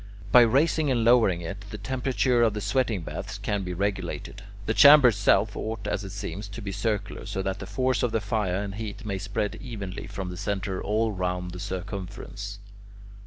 By raising and lowering it, the temperature of the sweating bath can be regulated. The chamber itself ought, as it seems, to be circular, so that the force of the fire and heat may spread evenly from the centre all round the circumference.